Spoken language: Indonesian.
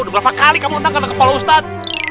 udah berapa kali kamu nentang kena kepala ustaz